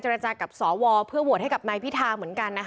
จรัจากับสวเพื่อโหวตให้กับไมพิทางเหมือนกัน